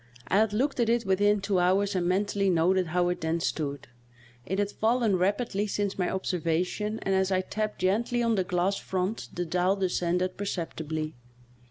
I had looked at it within two hours and mentally noted how it then stood ; it had fallen rapidly since my observa tion, and as I tapped gently on the glass front the dial descended perceptibly.